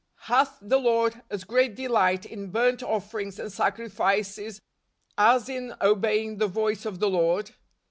" Hath the Lord as great delight in bimit offer¬ ings and sacrifices, as in obeying the voice of the Lord?